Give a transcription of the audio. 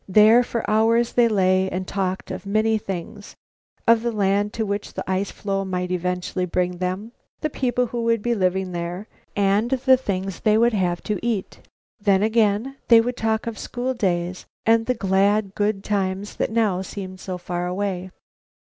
There for hours they lay and talked of many things: Of the land to which the ice floe might eventually bring them, the people who would be living there, and the things they would have to eat. Then, again, they would talk of school days, and the glad, good times that now seemed so far away.